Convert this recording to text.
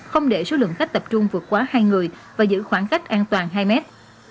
không để số lượng khách tập trung vượt quá hai người và giữ khoảng cách an toàn hai mét